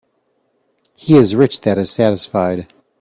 He is rich that is satisfied.